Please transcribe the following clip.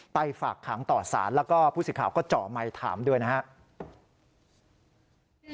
ฝากขังต่อสารแล้วก็ผู้สื่อข่าวก็เจาะไมค์ถามด้วยนะครับ